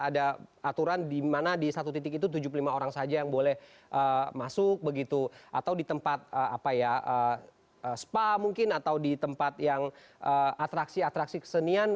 ada aturan di mana di satu titik itu tujuh puluh lima orang saja yang boleh masuk begitu atau di tempat spa mungkin atau di tempat yang atraksi atraksi kesenian